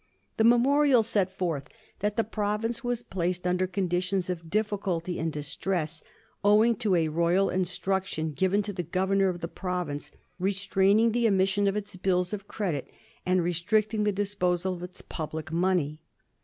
The memorial set forth that the province was placed under conditions of difficulty and dis tress owing to a royal instruction given to the governor of the province restraining the emission of its bills of credit and restricting the disposal of its public money.